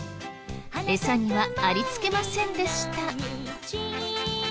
エサにはありつけませんでした。